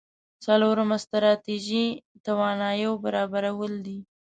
څلورمه ستراتيژي تواناییو برابرول دي.